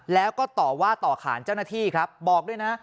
แล้วก็ต่อว่าต่อขานเจ้าหน้าที่ครับบอกด้วยนะ